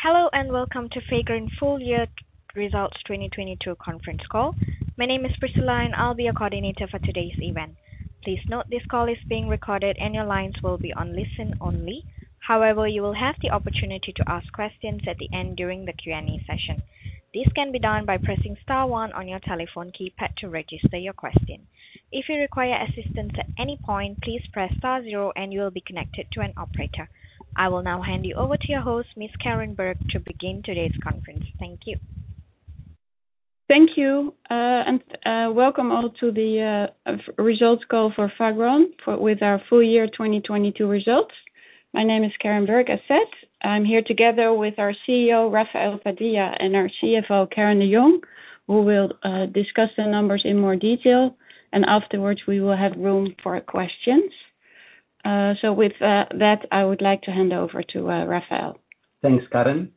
Hello, and welcome to Fagron full year results 2022 conference call. My name is Priscilla, and I'll be your coordinator for today's event. Please note this call is being recorded, and your lines will be on listen only. However, you will have the opportunity to ask questions at the end during the Q&A session. This can be done by pressing star one on your telephone keypad to register your question. If you require assistance at any point, please press star zero and you will be connected to an operator. I will now hand you over to your host, Ms. Karen Berg, to begin today's conference. Thank you. Thank you. Welcome all to the results call for Fagron with our full year 2022 results. My name is Karen Berg, as said. I'm here together with our CEO, Rafael Padilla, and our CFO, Karin De Jong, who will discuss the numbers in more detail, and afterwards we will have room for questions. With that, I would like to hand over to Rafael. Thanks, Karen.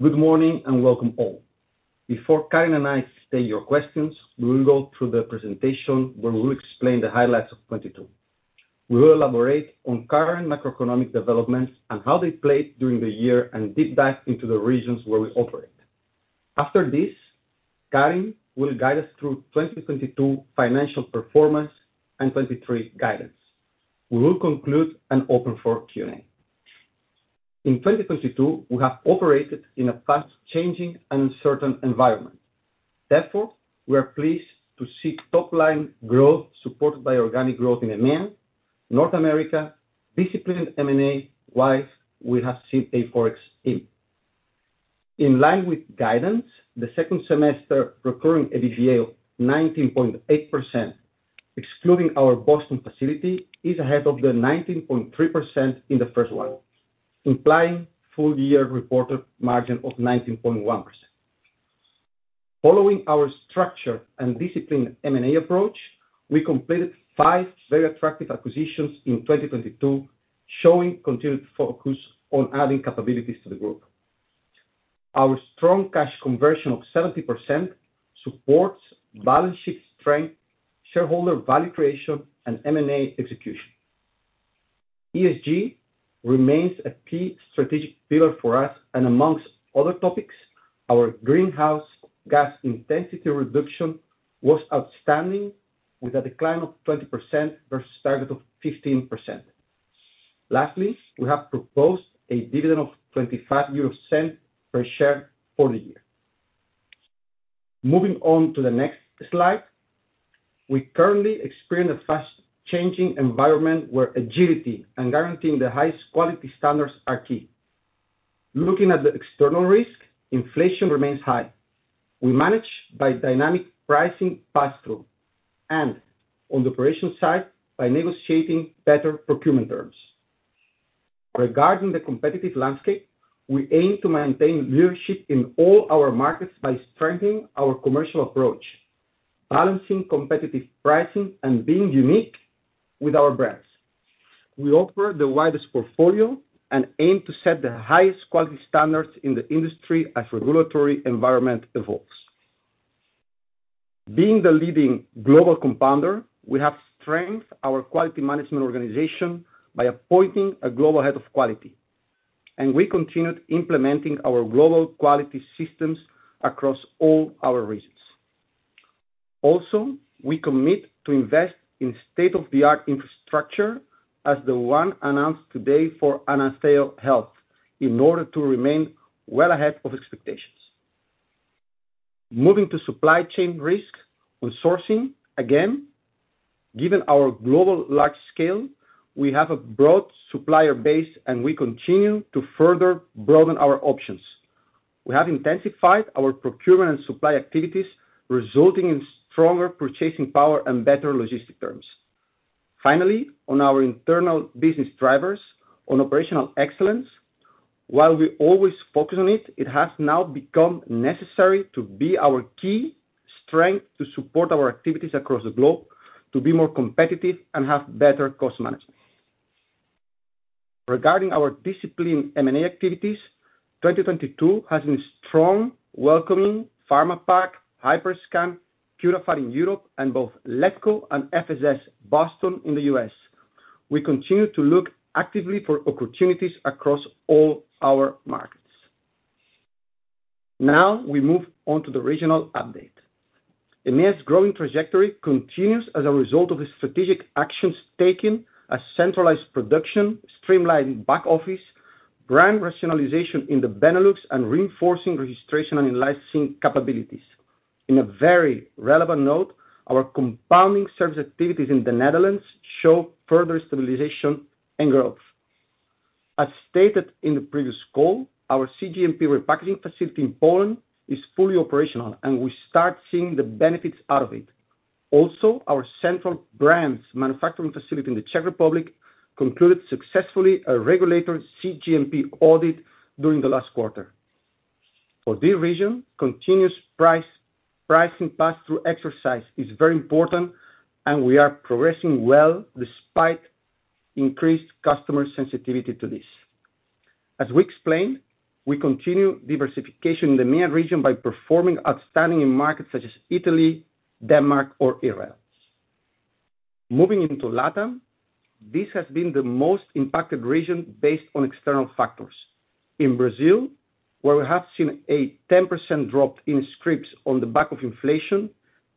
Good morning and welcome all. Before Karin and I state your questions, we will go through the presentation where we'll explain the highlights of 2022. We will elaborate on current macroeconomic developments and how they played during the year and deep dive into the regions where we operate. After this, Karin will guide us through 2022 financial performance and 2023 guidance. We will conclude and open for Q&A. In 2022, we have operated in a fast-changing and uncertain environment. We are pleased to see top-line growth supported by organic growth in EMEA, North America, disciplined M&A, whilst we have seen a forex tailwind. In line with guidance, the second semester recurring EBITDA of 19.8%, excluding our Boston facility, is ahead of the 19.3% in the first one, implying full year reported margin of 19.1%. Following our structure and disciplined M&A approach, we completed five very attractive acquisitions in 2022, showing continued focus on adding capabilities to the group. Our strong cash conversion of 70% supports balance sheet strength, shareholder value creation, and M&A execution. Amongst other topics, our greenhouse gas intensity reduction was outstanding with a decline of 20% versus target of 15%. Lastly, we have proposed a dividend of 0.25 per share for the year. Moving on to the next slide. We currently experience a fast changing environment where agility and guaranteeing the highest quality standards are key. Looking at the external risk, inflation remains high. We manage by dynamic pricing pass-through, and on the operational side, by negotiating better procurement terms. Regarding the competitive landscape, we aim to maintain leadership in all our markets by strengthening our commercial approach, balancing competitive pricing, and being unique with our brands. We offer the widest portfolio and aim to set the highest quality standards in the industry as regulatory environment evolves. Being the leading global compounder, we have strengthened our quality management organization by appointing a global head of quality, and we continued implementing our global quality systems across all our regions. We commit to invest in state-of-the-art infrastructure as the one announced today for AnazaoHealth in order to remain well ahead of expectations. Moving to supply chain risk on sourcing, again, given our global large scale, we have a broad supplier base, and we continue to further broaden our options. We have intensified our procurement and supply activities, resulting in stronger purchasing power and better logistic terms. Finally, on our internal business drivers on operational excellence, while we always focus on it has now become necessary to be our key strength to support our activities across the globe, to be more competitive and have better cost management. Regarding our disciplined M&A activities, 2022 has been strong, welcoming Pharma-pack, HiperScan, Curaphar in Europe and both Letco and FSS Boston in the U.S. We continue to look actively for opportunities across all our markets. Now, we move on to the regional update. EMEA's growing trajectory continues as a result of the strategic actions taken as centralized production, streamlining back office, brand rationalization in the Benelux, and reinforcing registration and licensing capabilities. In a very relevant note, our compounding service activities in the Netherlands show further stabilization and growth. As stated in the previous call, our cGMP repackaging facility in Poland is fully operational. We start seeing the benefits out of it. Our central brands manufacturing facility in the Czech Republic concluded successfully a regulator cGMP audit during the last quarter. For this region, continuous pricing pass-through exercise is very important. We are progressing well despite increased customer sensitivity to this. As we explained, we continue diversification in the EMEA region by performing outstanding in markets such as Italy, Denmark or Israel. Moving into LATAM, this has been the most impacted region based on external factors. In Brazil, where we have seen a 10% drop in scripts on the back of inflation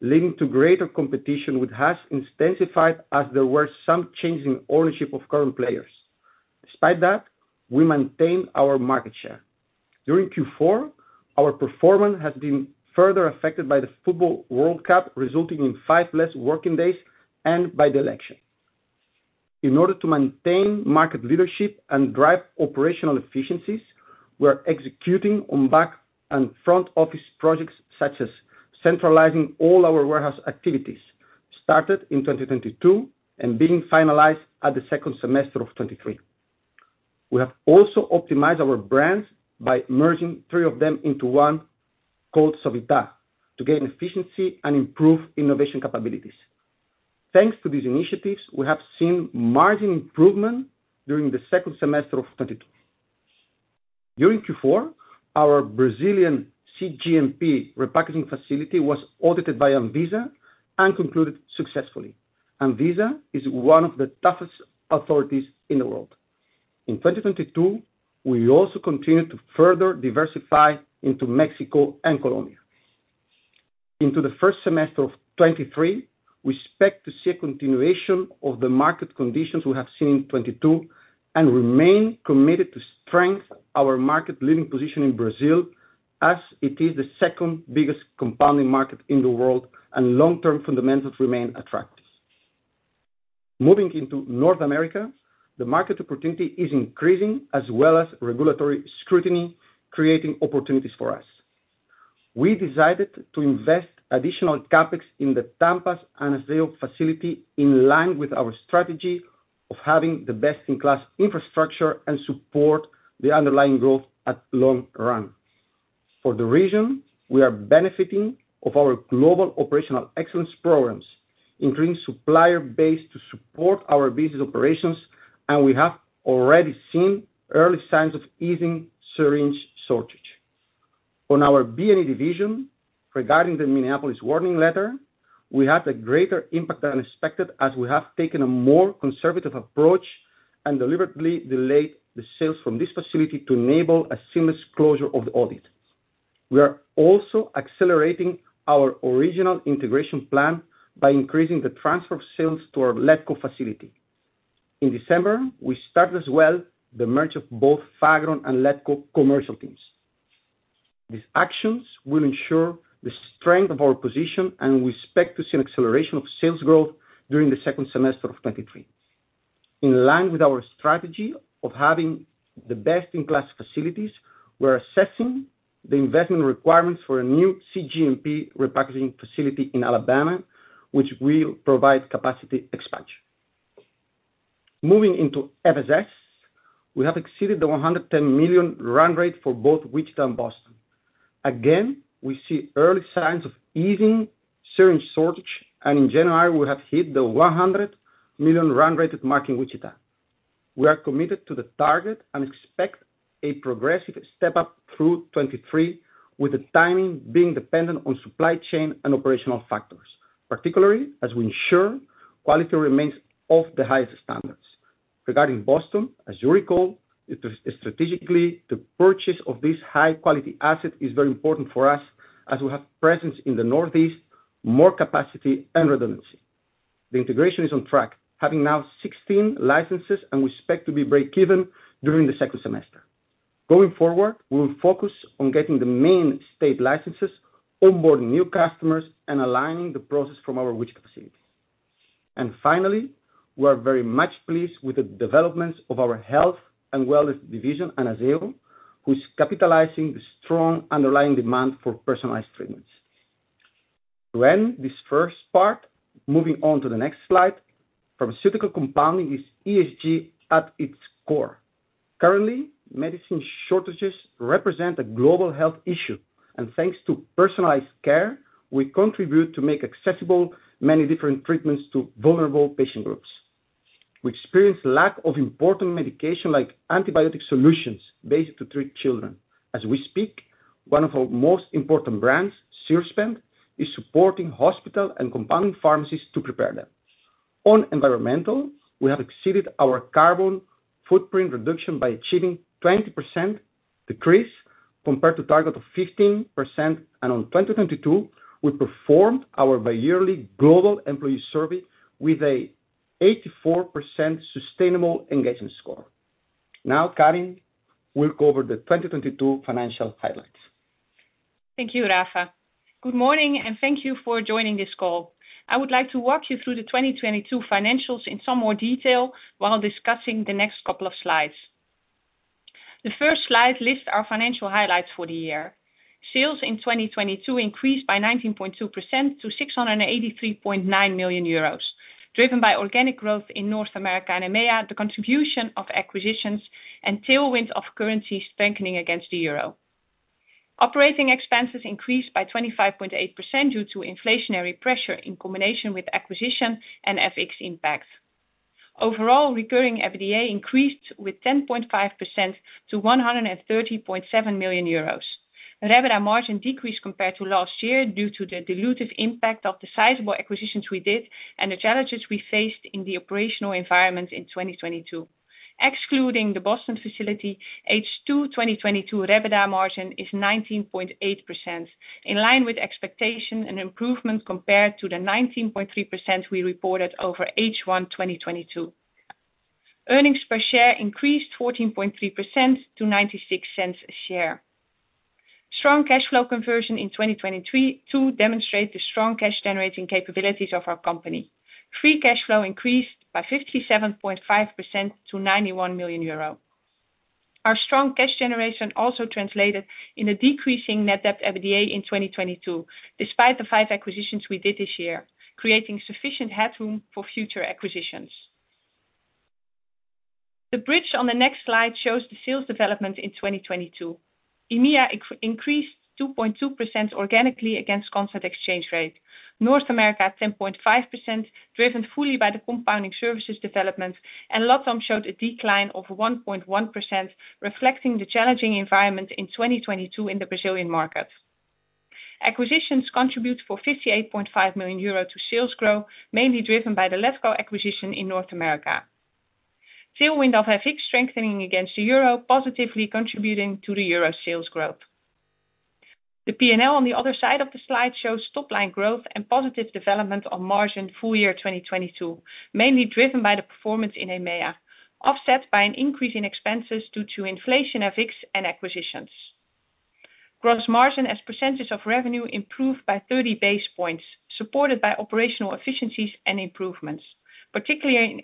leading to greater competition, which has intensified as there were some changes in ownership of current players. Despite that, we maintain our market share. During Q4, our performance has been further affected by the football World Cup, resulting in five less working days and by the election. In order to maintain market leadership and drive operational efficiencies, we are executing on back and front office projects such as centralizing all our warehouse activities, started in 2022 and being finalized at the second semester of 2023. We have also optimized our brands by merging three of them into one called Sovitá, to gain efficiency and improve innovation capabilities. Thanks to these initiatives, we have seen margin improvement during the second semester of 2022. During Q4, our Brazilian cGMP repackaging facility was audited by Anvisa and concluded successfully. Anvisa is one of the toughest authorities in the world. In 2022, we also continued to further diversify into Mexico and Colombia. Into the first semester of 2023, we expect to see a continuation of the market conditions we have seen in 2022 and remain committed to strength our market leading position in Brazil as it is the second biggest compounding market in the world and long-term fundamentals remain attractive. Moving into North America, the market opportunity is increasing as well as regulatory scrutiny, creating opportunities for us. We decided to invest additional CapEx in the Tampa AnazaoHealth facility in line with our strategy of having the best in class infrastructure and support the underlying growth at long run. For the region, we are benefiting of our global operational excellence programs, including supplier base to support our business operations, and we have already seen early signs of easing syringe shortage. On our B&E division, regarding the Minneapolis warning letter, we had a greater impact than expected as we have taken a more conservative approach and deliberately delayed the sales from this facility to enable a seamless closure of the audit. We are also accelerating our original integration plan by increasing the transfer of sales to our Letco facility. In December, we start as well the merge of both Fagron and Letco commercial teams. These actions will ensure the strength of our position, and we expect to see an acceleration of sales growth during the second semester of 2023. In line with our strategy of having the best in class facilities, we're assessing the investment requirements for a new cGMP repackaging facility in Alabama, which will provide capacity expansion. Moving into FSS, we have exceeded the 110 million run rate for both Wichita and Boston. We see early signs of easing syringe shortage, and in January, we have hit the 100 million run rate at marking Wichita. We are committed to the target and expect a progressive step up through 2023, with the timing being dependent on supply chain and operational factors, particularly as we ensure quality remains of the highest standards. Regarding Boston, as you recall, the purchase of this high quality asset is very important for us as we have presence in the Northeast, more capacity and redundancy. The integration is on track, having now 16 licenses, and we expect to be breakeven during the second semester. Going forward, we will focus on getting the main state licenses, onboard new customers, and aligning the process from our Wichita facilities. Finally, we are very much pleased with the developments of our health and wellness division, Anazao, who's capitalizing the strong underlying demand for personalized treatments. To end this first part, moving on to the next slide, pharmaceutical compounding is ESG at its core. Thanks to personalized care, we contribute to make accessible many different treatments to vulnerable patient groups. We experience lack of important medication like antibiotic solutions based to treat children. As we speak, one of our most important brands, SyrSpend, is supporting hospital and compounding pharmacies to prepare them. On environmental, we have exceeded our carbon footprint reduction by achieving 20% decrease compared to target of 15%. On 2022, we performed our bi-yearly global employee survey with a 84% sustainable engagement score. Karin will cover the 2022 financial highlights. Thank you, Rafa. Good morning, thank you for joining this call. I would like to walk you through the 2022 financials in some more detail while discussing the next couple of slides. The first slide lists our financial highlights for the year. Sales in 2022 increased by 19.2% to 683.9 million euros, driven by organic growth in North America and EMEA, the contribution of acquisitions and tailwind of currency strengthening against the euro. Operating expenses increased by 25.8% due to inflationary pressure in combination with acquisition and FX impacts. Overall, recurring EBITDA increased with 10.5% to 130.7 million euros. Revenue margin decreased compared to last year due to the dilutive impact of the sizable acquisitions we did and the challenges we faced in the operational environment in 2022. Excluding the Boston facility, H2 2022 revenue margin is 19.8% in line with expectation and improvement compared to the 19.3% we reported over H1 2022. Earnings per share increased 14.3% to 0.96 a share. Strong cash flow conversion in 2022 demonstrates the strong cash generating capabilities of our company. Free cash flow increased by 57.5% to 91 million euro. Our strong cash generation also translated in a decreasing net debt EBITDA in 2022. Despite the five acquisitions we did this year, creating sufficient headroom for future acquisitions. The bridge on the next slide shows the sales development in 2022. EMEA increased 2.2% organically against constant exchange rate. North America at 10.5%, driven fully by the compounding services development, and LATAM showed a decline of 1.1%, reflecting the challenging environment in 2022 in the Brazilian market. Acquisitions contribute for 58.5 million euro to sales growth, mainly driven by the Letco acquisition in North America. Tailwind of FX strengthening against the euro, positively contributing to the euro sales growth. The P&L on the other side of the slide shows top line growth and positive development on margin full year 2022, mainly driven by the performance in EMEA, offset by an increase in expenses due to inflation, FX and acquisitions. Gross margin as percentage of revenue improved by 30 basis points, supported by operational efficiencies and improvements. Particularly in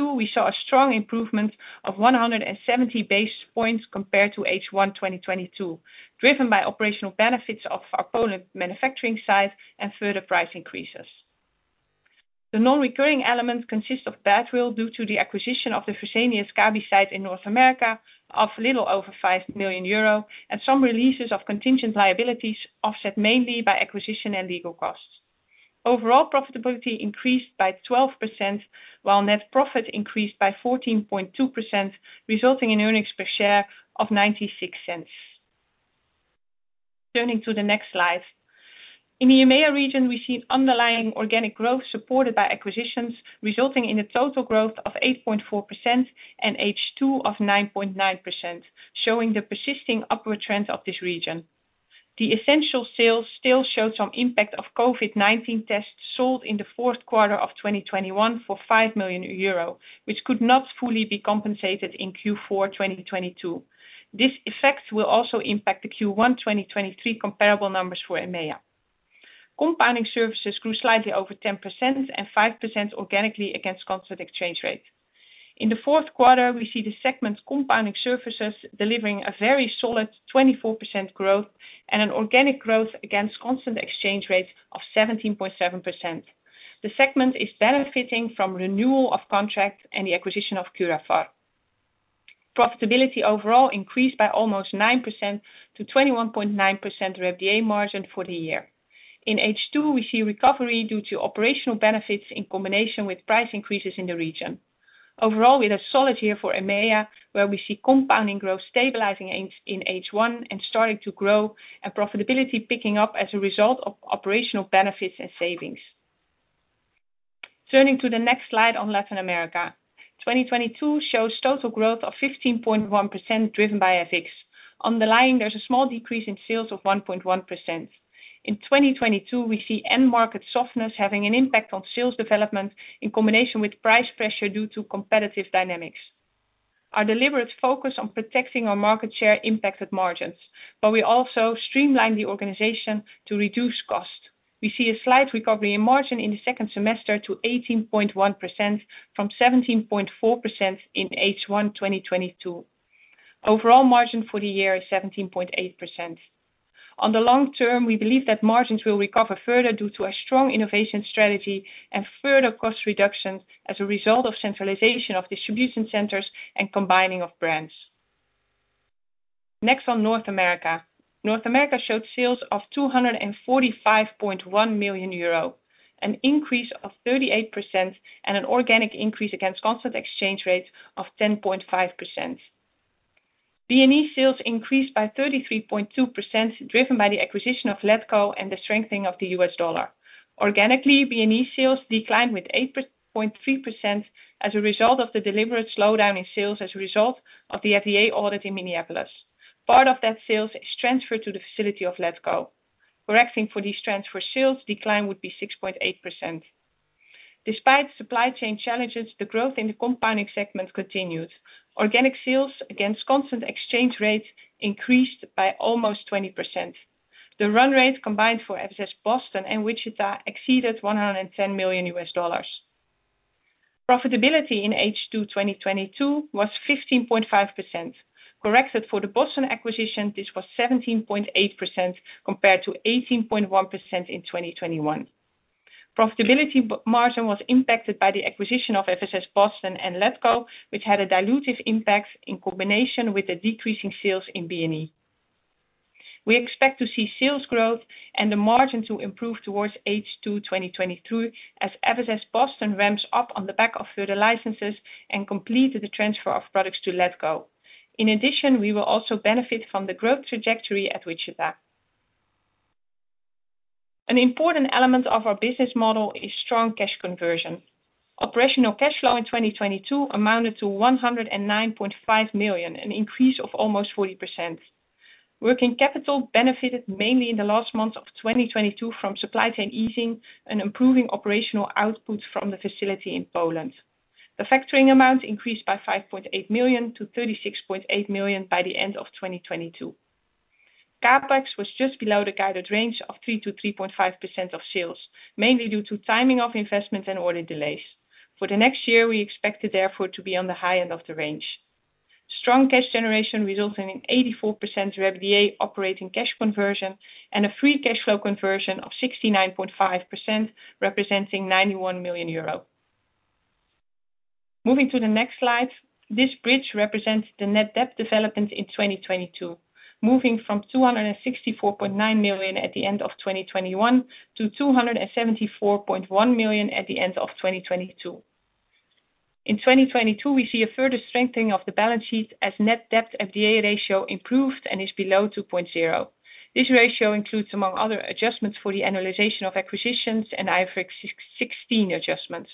H2, we saw a strong improvement of 170 basis points compared to H1 2022, driven by operational benefits of our Poland manufacturing site and further price increases. The non-recurring elements consist of bad will due to the acquisition of the Fresenius Kabi site in North America of little over 5 million euro and some releases of contingent liabilities offset mainly by acquisition and legal costs. Overall profitability increased by 12%, while net profit increased by 14.2%, resulting in earnings per share of 0.96. Turning to the next slide. In the EMEA region, we see underlying organic growth supported by acquisitions, resulting in a total growth of 8.4% and H2 of 9.9%, showing the persisting upward trend of this region. The essential sales still show some impact of COVID-19 tests sold in the fourth quarter of 2021 for 5 million euro, which could not fully be compensated in Q4 2022. This effect will also impact the Q1 2023 comparable numbers for EMEA. Compounding services grew slightly over 10% and 5% organically against constant exchange rate. In the fourth quarter, we see the segment compounding services delivering a very solid 24% growth and an organic growth against constant exchange rate of 17.7%. The segment is benefiting from renewal of contracts and the acquisition of Curaphar. Profitability overall increased by almost 9% to 21.9% revenue margin for the year. In H2, we see recovery due to operational benefits in combination with price increases in the region. Overall, we had a solid year for EMEA, where we see compounding growth stabilizing in H1 and starting to grow and profitability picking up as a result of operational benefits and savings. Turning to the next slide on Latin America. 2022 shows total growth of 15.1% driven by FX. Underlying, there's a small decrease in sales of 1.1%. In 2022, we see end market softness having an impact on sales development in combination with price pressure due to competitive dynamics. Our deliberate focus on protecting our market share impacted margins, but we also streamlined the organization to reduce cost. We see a slight recovery in margin in the second semester to 18.1% from 17.4% in H1 2022. Overall margin for the year is 17.8%. On the long term, we believe that margins will recover further due to a strong innovation strategy and further cost reductions as a result of centralization of distribution centers and combining of brands. Next on North America. North America showed sales of 245.1 million euro, an increase of 38% and an organic increase against constant exchange rates of 10.5%. B&E sales increased by 33.2%, driven by the acquisition of Letco and the strengthening of the U.S. dollar. Organically, B&E sales declined with 8.3% as a result of the deliberate slowdown in sales as a result of the FDA audit in Minneapolis. Part of that sales is transferred to the facility of Letco. Correcting for these transfer sales, decline would be 6.8%. Despite supply chain challenges, the growth in the compounding segment continued. Organic sales against constant exchange rates increased by almost 20%. The run rate combined for FSS Boston and Wichita exceeded $110 million. Profitability in H2 2022 was 15.5%. Corrected for the Boston acquisition, this was 17.8% compared to 18.1% in 2021. Profitability margin was impacted by the acquisition of FSS Boston and Letco, which had a dilutive impact in combination with the decreasing sales in B&E. We expect to see sales growth and the margin to improve towards H2 2022 as FSS Boston ramps up on the back of further licenses and completed the transfer of products to Letco. In addition, we will also benefit from the growth trajectory at Wichita. An important element of our business model is strong cash conversion. Operational cash flow in 2022 amounted to 109.5 million, an increase of almost 40%. Working capital benefited mainly in the last month of 2022 from supply chain easing and improving operational outputs from the facility in Poland. The factoring amount increased by 5.8 million to 36.8 million by the end of 2022. CapEx was just below the guided range of 3%-3.5% of sales, mainly due to timing of investments and order delays. For the next year, we expect it therefore to be on the high end of the range. Strong cash generation resulting in 84% REBITDA operating cash conversion and a free cash flow conversion of 69.5%, representing 91 million euro. Moving to the next slide. This bridge represents the net debt development in 2022. Moving from 264.9 million at the end of 2021 to 274.1 million at the end of 2022. In 2022, we see a further strengthening of the balance sheet as net debt/REBITDA ratio improved and is below 2.0. This ratio includes, among other adjustments, for the annualization of acquisitions and IFRS 16 adjustments.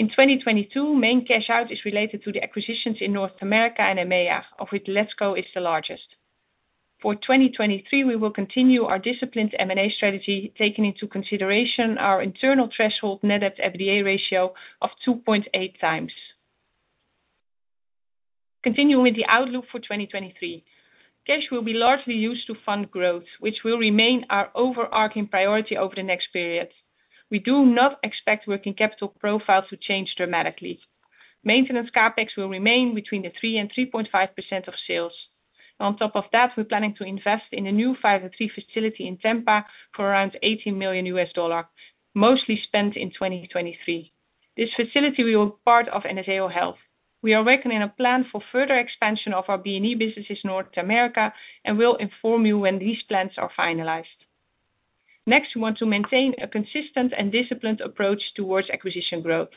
In 2022, main cash out is related to the acquisitions in North America and EMEA, of which Letco is the largest. For 2023, we will continue our disciplined M&A strategy, taking into consideration our internal threshold net debt/REBITDA ratio of 2.8x. Continuing with the outlook for 2023. Cash will be largely used to fund growth, which will remain our overarching priority over the next period. We do not expect working capital profile to change dramatically. Maintenance CapEx will remain between 3% and 3.5% of sales. On top of that, we're planning to invest in a new 503B facility in Tampa for around $18 million, mostly spent in 2023. This facility will be part of AnazaoHealth. We are working in a plan for further expansion of our B&E business in North America and will inform you when these plans are finalized. Next, we want to maintain a consistent and disciplined approach towards acquisition growth.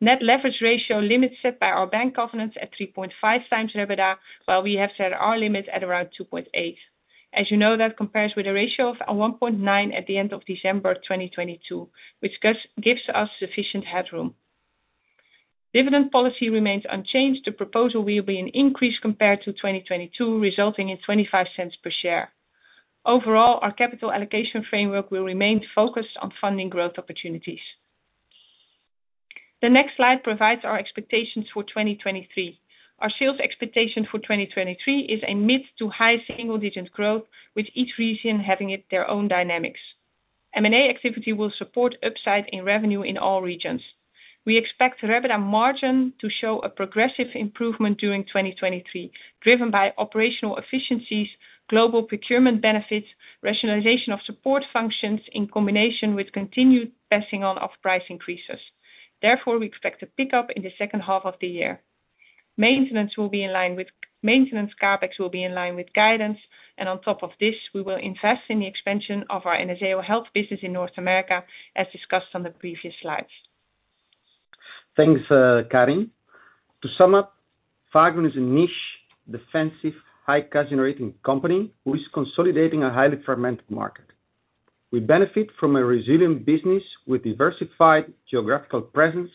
Net leverage ratio limits set by our bank covenants at 3.5x EBITDA, while we have set our limits at around 2.8. As you know, that compares with a ratio of 1.9x at the end of December 2022, which gives us sufficient headroom. Dividend policy remains unchanged. The proposal will be an increase compared to 2022, resulting in 0.25 per share. Overall, our capital allocation framework will remain focused on funding growth opportunities. The next slide provides our expectations for 2023. Our sales expectation for 2023 is a mid to high single digit growth, with each region having it their own dynamics. M&A activity will support upside in revenue in all regions. We expect EBITDA margin to show a progressive improvement during 2023, driven by operational efficiencies, global procurement benefits, rationalization of support functions, in combination with continued passing on of price increases. Therefore, we expect a pickup in the second half of the year. Maintenance CapEx will be in line with guidance and on top of this, we will invest in the expansion of our AnazaoHealth business in North America, as discussed on the previous slides. Thanks, Karin. To sum up, Fagron is a niche, defensive, high cash generating company who is consolidating a highly fragmented market. We benefit from a resilient business with diversified geographical presence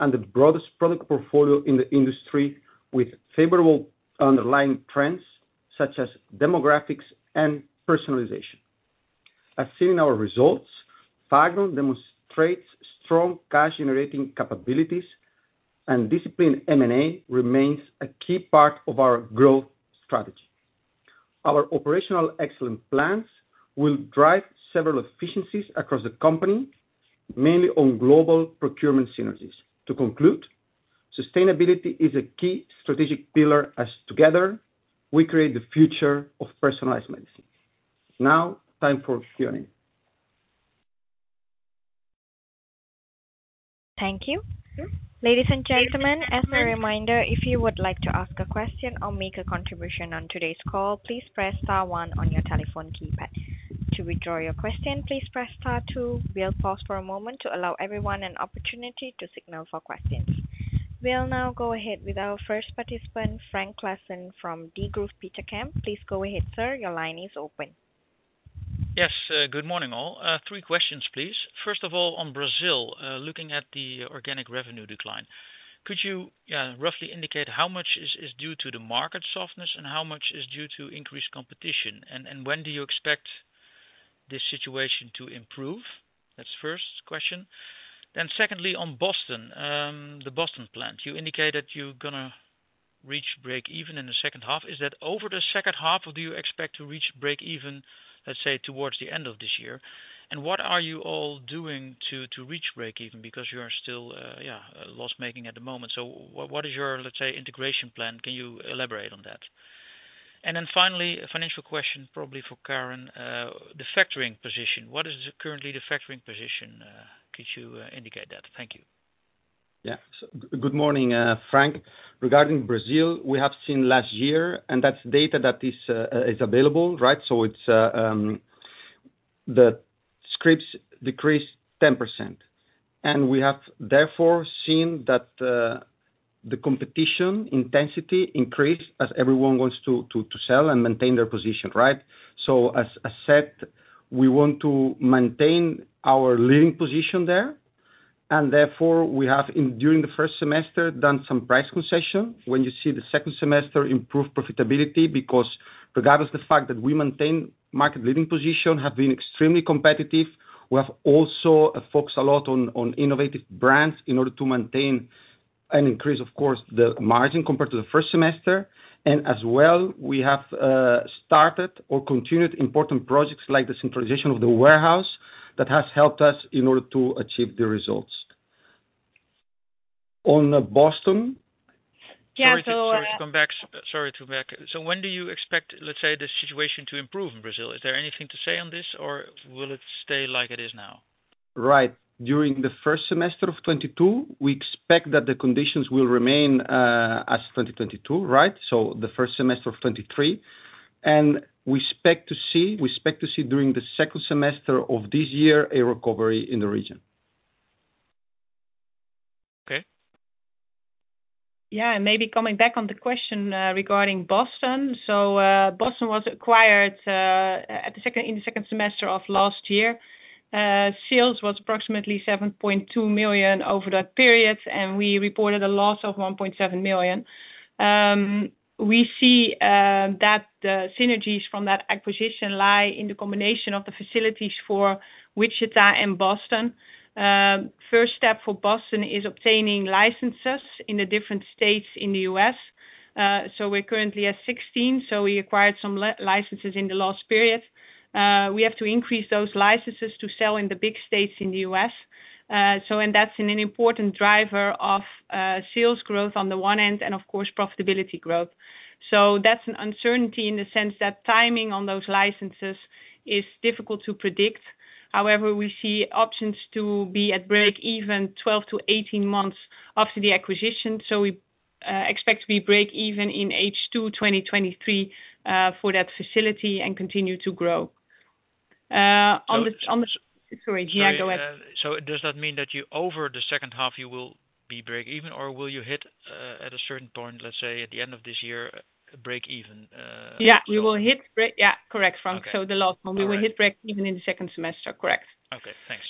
and the broadest product portfolio in the industry, with favorable underlying trends such as demographics and personalization. As seen in our results, Fagron demonstrates strong cash generating capabilities and disciplined M&A remains a key part of our growth strategy. Our operational excellent plans will drive several efficiencies across the company, mainly on global procurement synergies. To conclude, sustainability is a key strategic pillar as together we create the future of personalized medicine. Time for Q&A. Thank you. Ladies and gentlemen, as a reminder, if you would like to ask a question or make a contribution on today's call, please press star one on your telephone keypad. To withdraw your question, please press star two. We'll pause for a moment to allow everyone an opportunity to signal for questions. We'll now go ahead with our first participant, Frank Claassen from Degroof Petercam. Please go ahead, sir. Your line is open. Yes, good morning, all. Three questions, please. First of all, on Brazil, looking at the organic revenue decline, could you roughly indicate how much is due to the market softness and how much is due to increased competition? When do you expect this situation to improve? That's the first question. Secondly, on Boston, the Boston plant. You indicated you're gonna reach break even in the second half. Is that over the second half, or do you expect to reach break even, let's say, towards the end of this year? What are you all doing to reach breakeven? Because you are still, yeah, loss-making at the moment. What is your, let's say, integration plan? Can you elaborate on that? Finally, a financial question probably for Karin. The factoring position. What is currently the Fagron position? Could you indicate that? Thank you. Good morning, Frank. Regarding Brazil, we have seen last year, and that's data that is available, right? It's the scripts decreased 10%. We have therefore seen that the competition intensity increased as everyone wants to sell and maintain their position, right? As I said, we want to maintain our leading position there. Therefore, we have during the first semester, done some price concession. When you see the second semester improved profitability, because regardless of the fact that we maintain market leading position, have been extremely competitive. We have also focused a lot on innovative brands in order to maintain and increase, of course, the margin compared to the first semester. As well, we have started or continued important projects like the centralization of the warehouse that has helped us in order to achieve the results. On Boston? Yeah. Sorry to come back. When do you expect, let's say, the situation to improve in Brazil? Is there anything to say on this, or will it stay like it is now? Right. During the first semester of 2022, we expect that the conditions will remain as 2022, right? The first semester of 2023. We expect to see during the second semester of this year, a recovery in the region. Okay. Maybe coming back on the question regarding Boston. Boston was acquired in the second semester of last year. Sales was approximately $7.2 million over that period, and we reported a loss of $1.7 million. We see that the synergies from that acquisition lie in the combination of the facilities for Wichita and Boston. First step for Boston is obtaining licenses in the different states in the U.S. We're currently at 16, so we acquired some licenses in the last period. We have to increase those licenses to sell in the big states in the U.S. That's an important driver of sales growth on the one end, and of course, profitability growth. That's an uncertainty in the sense that timing on those licenses is difficult to predict. However, we see options to be at break even 12-18 months after the acquisition. We expect to be break even in H2 2023 for that facility and continue to grow. Sorry, yeah, go ahead. Does that mean that you over the second half, you will be break even, or will you hit, at a certain point, let's say, at the end of this year, break even? Yeah. We will hit break. Yeah. Correct, Frank. Okay. The last one. All right. We will hit break even in the second semester. Correct. Okay, thanks.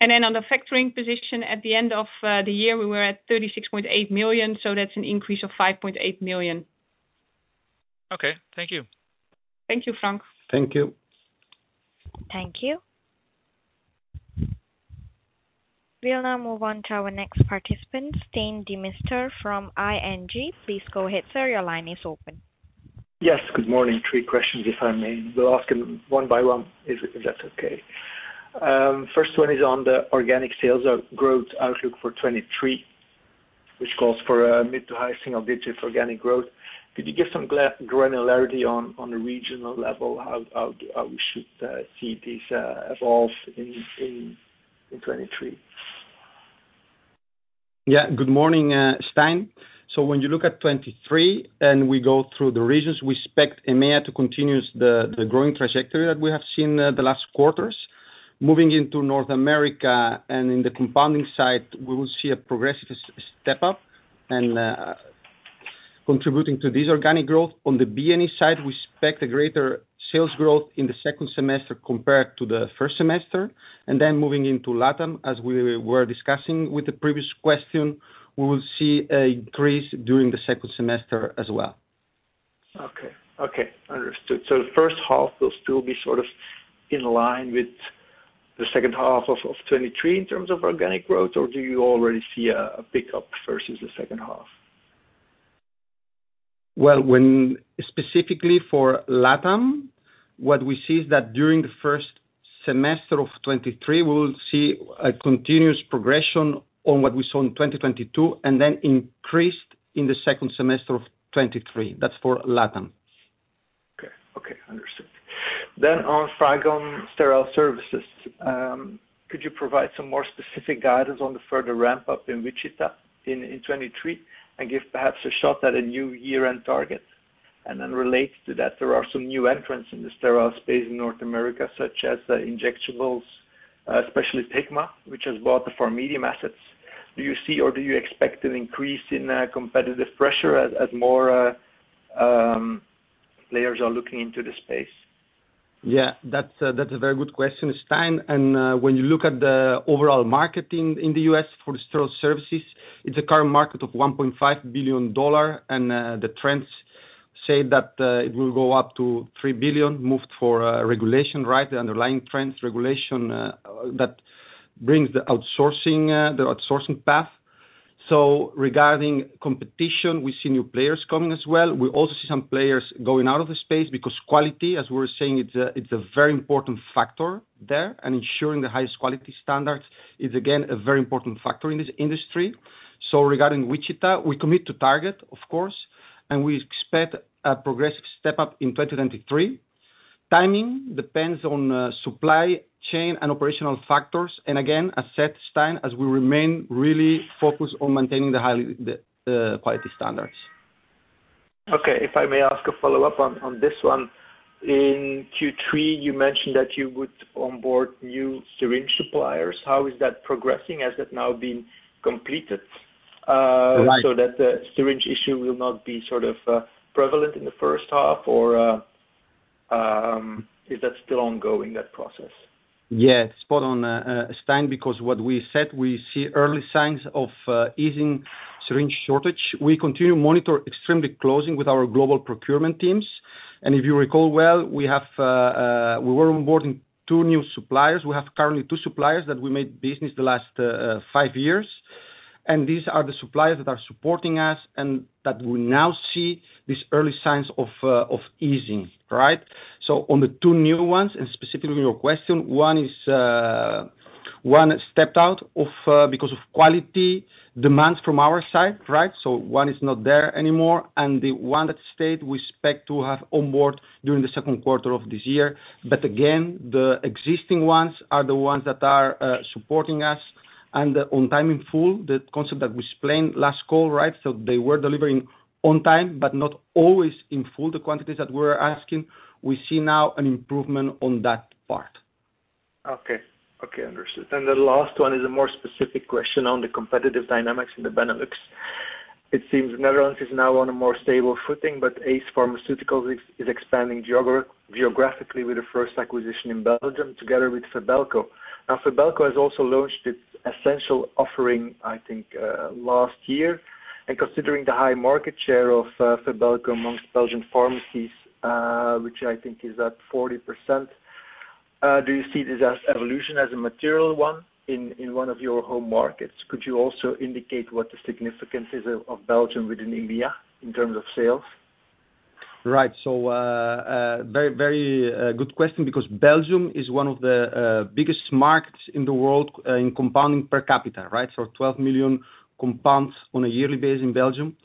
On the factoring position, at the end of the year, we were at 36.8 million. That's an increase of 5.8 million. Okay. Thank you. Thank you, Frank. Thank you. Thank you. We'll now move on to our next participant, Stijn Demeester from ING. Please go ahead, sir. Your line is open. Yes, good morning. Three questions, if I may. We'll ask them one by one if that's okay. First one is on the organic sales growth outlook for 2023, which calls for a mid to high single digit for organic growth. Could you give some granularity on the regional level, how we should see this evolve in 2023? Good morning, Stijn. When you look at 2023 and we go through the regions, we expect EMEA to continue the growing trajectory that we have seen the last quarters. Moving into North America and in the compounding side, we will see a progressive step up and contributing to this organic growth. On the B&E side, we expect a greater sales growth in the second semester compared to the first semester. Moving into LATAM, as we were discussing with the previous question, we will see a increase during the second semester as well. Okay. Okay, understood. The first half will still be sort of in line with the second half of 2023 in terms of organic growth, or do you already see a pickup versus the second half? Well, when specifically for LATAM, what we see is that during the first semester of 2023, we'll see a continuous progression on what we saw in 2022 and then increased in the second semester of 2023. That's for LATAM. Okay. Okay. Understood. On Fagron Sterile Services, could you provide some more specific guidance on the further ramp-up in Wichita in 2023 and give perhaps a shot at a new year-end target? Related to that, there are some new entrants in the sterile space in North America, such as the injectables, especially Hikma, which has bought the PharMEDium assets. Do you see or do you expect an increase in competitive pressure as more players are looking into the space? Yeah. That's a very good question, Stijn. When you look at the overall market in the U.S. for the sterile services, it's a current market of $1.5 billion. The trends say that it will go up to $3 billion, moved for regulation, right? The underlying trends, regulation, that brings the outsourcing path. Regarding competition, we see new players coming as well. We also see some players going out of the space because quality, as we're saying, it's a very important factor there. Ensuring the highest quality standards is again, a very important factor in this industry. Regarding Wichita, we commit to target, of course, and we expect a progressive step up in 2023. Timing depends on supply chain and operational factors, and again, as said, Stijn, as we remain really focused on maintaining the high quality standards. Okay. If I may ask a follow-up on this one. In Q3, you mentioned that you would onboard new syringe suppliers. How is that progressing? Has that now been completed? Right. That the syringe issue will not be sort of, prevalent in the first half or, is that still ongoing, that process? Yeah. Spot on, Stijn, because what we said, we see early signs of easing syringe shortage. We continue to monitor extremely closing with our global procurement teams. If you recall well, we were onboarding two new suppliers. We have currently two suppliers that we made business the last five years, and these are the suppliers that are supporting us and that we now see these early signs of easing, right? On the two new ones and specifically your question, one is one stepped out of because of quality demands from our side, right? One is not there anymore. The one that stayed, we expect to have on board during the second quarter of this year. Again, the existing ones are the ones that are supporting us and on time in full, the concept that we explained last call, right? They were delivering on time, but not always in full the quantities that we're asking. We see now an improvement on that part. Okay, understood. The last one is a more specific question on the competitive dynamics in the Benelux. It seems Netherlands is now on a more stable footing, but ACE Pharmaceuticals is expanding geographically with the first acquisition in Belgium together with Febelco. Febelco has also launched its essential offering, I think, last year. Considering the high market share of Febelco amongst Belgian pharmacies, which I think is at 40%, do you see this as evolution as a material one in one of your home markets? Could you also indicate what the significance is of Belgium within EMEA in terms of sales? Right. Very good question, because Belgium is one of the biggest markets in the world in compounding per capita, right? 12 million compounds on a yearly basis in Belgium.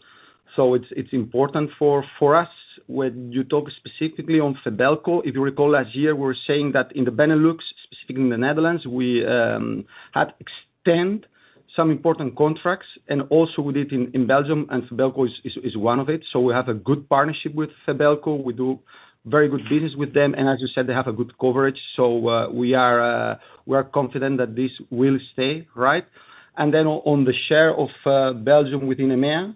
It's important for us. When you talk specifically on Febelco, if you recall, last year, we were saying that in the Benelux, specifically in the Netherlands, we had extend some important contracts, and also we did in Belgium, and Febelco is one of it. We have a good partnership with Febelco. We do very good business with them, and as you said, they have a good coverage. We are confident that this will stay, right. On the share of Belgium within EMEA?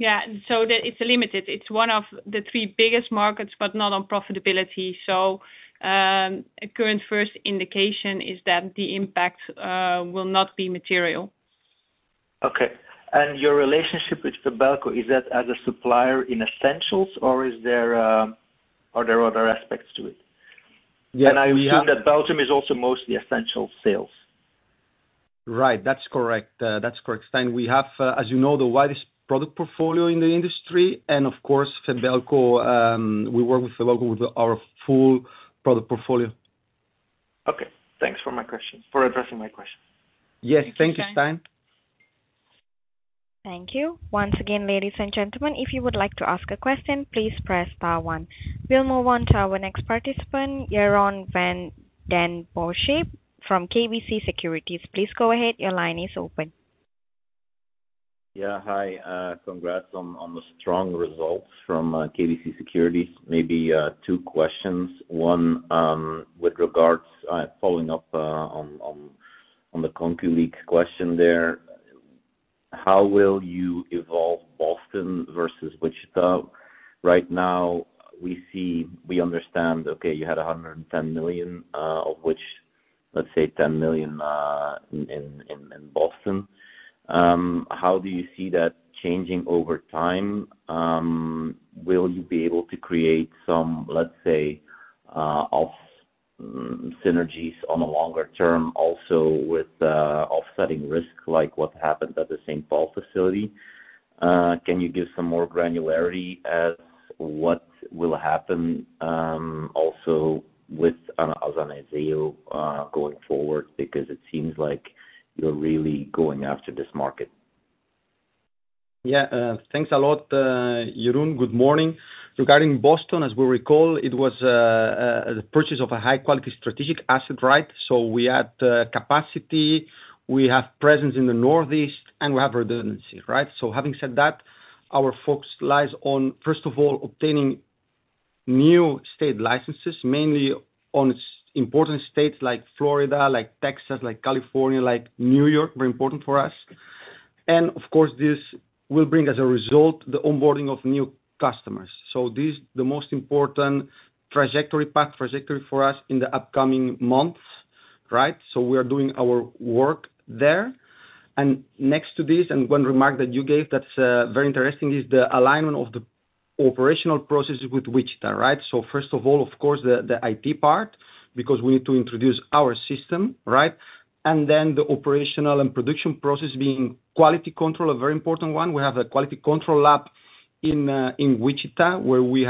It's limited. It's one of the three biggest markets, but not on profitability. Current first indication is that the impact will not be material. Okay. Your relationship with Febelco, is that as a supplier in essentials or are there other aspects to it? Yeah. I assume that Belgium is also mostly essential sales. Right. That's correct. That's correct, Stijn. We have, as you know, the widest product portfolio in the industry and of course, Febelco, we work with Febelco with our full product portfolio. Okay. Thanks for addressing my questions. Yes. Thank you, Stijn. Thank you. Thank you. Once again, ladies and gentlemen, if you would like to ask a question, please press star one. We'll move on to our next participant, Jeroen Van den Bossche from KBC Securities. Please go ahead. Your line is open. Yeah. Hi. Congrats on the strong results from KBC Securities. Maybe two questions. One, with regards following up on the colleague's question there. How will you evolve Boston versus Wichita? Right now, we understand, okay, you had 110 million, of which, let's say 10 million, in Boston. How do you see that changing over time? Will you be able to create some, let's say, off synergies on a longer term also with offsetting risk, like what happened at the St. Paul facility? Can you give some more granularity as what will happen, also with AnazaoHealth, going forward? Because it seems like you're really going after this market. Yeah. Thanks a lot, Jeroen. Good morning. Regarding Boston, as we recall, it was the purchase of a high-quality strategic asset, right? We had capacity, we have presence in the Northeast, and we have redundancy, right? Having said that, our focus lies on, first of all, obtaining new state licenses, mainly on important states like Florida, like Texas, like California, like New York, very important for us. Of course, this will bring, as a result, the onboarding of new customers. This is the most important trajectory, path, trajectory for us in the upcoming months, right? We are doing our work there. Next to this, and one remark that you gave that's very interesting, is the alignment of the operational processes with Wichita, right? First of all, of course, the IT part because we need to introduce our system, right? The operational and production process being quality control, a very important one. We have a quality control lab in Wichita, where we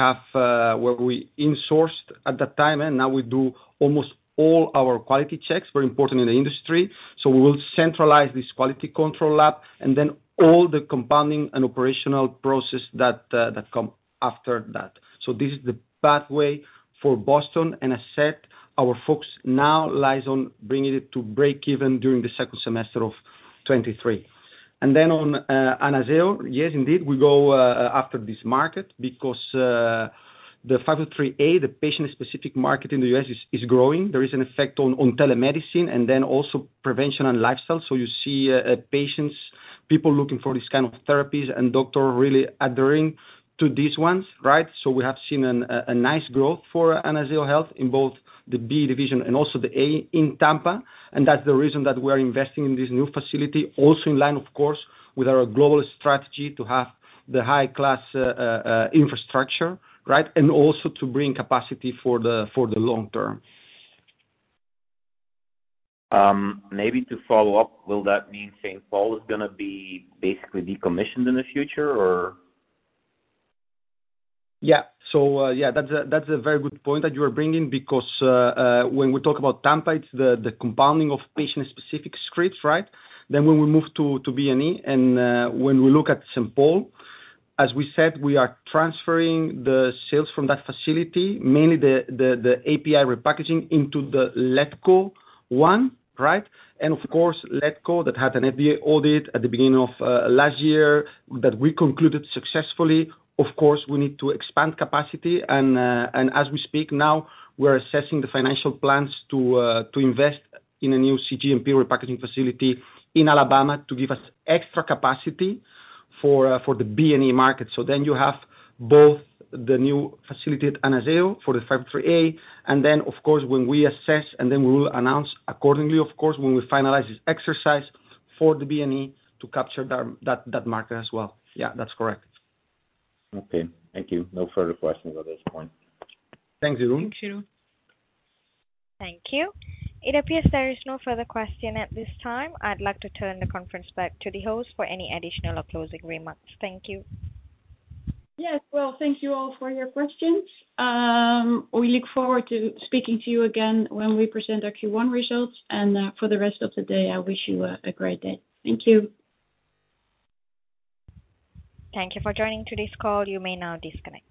insourced at that time, and now we do almost all our quality checks, very important in the industry. We will centralize this quality control lab and then all the compounding and operational process that come after that. This is the pathway for Boston and I said, our focus now lies on bringing it to break even during the second semester of 2023. On Anazao. Yes, indeed, we go after this market because the 503A, the patient-specific market in the U.S. is growing. There is an effect on telemedicine and then also prevention and lifestyle. You see patients, people looking for these kind of therapies and doctor really adhering to these ones, right? We have seen a nice growth for AnazaoHealth in both the B division and also the A in Tampa. That's the reason that we're investing in this new facility. Also in line, of course, with our global strategy to have the high class infrastructure, right? Also to bring capacity for the long term. Maybe to follow up, will that mean St. Paul is gonna be basically decommissioned in the future or? That's a very good point that you are bringing because when we talk about Tampa, it's the compounding of patient-specific scripts, right? When we move to B&E and when we look at St. Paul, as we said, we are transferring the sales from that facility, mainly the API repackaging into the Letco one, right? Of course, Letco that had an FDA audit at the beginning of last year that we concluded successfully. Of course, we need to expand capacity as we speak now, we're assessing the financial plans to invest in a new cGMP repackaging facility in Alabama to give us extra capacity for the B&E market. You have both the new facility at AnazaoHealth for the 503A, and then of course when we assess and then we will announce accordingly, of course, when we finalize this exercise for the B&E to capture that market as well. Yeah, that's correct. Okay. Thank you. No further questions at this point. Thanks, Jeroen. Thank you. Thank you. It appears there is no further question at this time. I'd like to turn the conference back to the host for any additional or closing remarks. Thank you. Yes. Well, thank you all for your questions. We look forward to speaking to you again when we present our Q1 results, for the rest of the day, I wish you a great day. Thank you. Thank you for joining today's call. You may now disconnect.